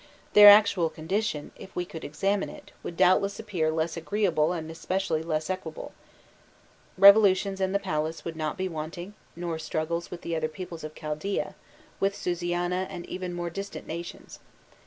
Their actual condition, if we could examine it, would doubtless appear less agreeable and especially less equable; revolutions in the palace would not be wanting, nor struggles with the other peoples of Chaldaea, with Susiana and even more distant nations.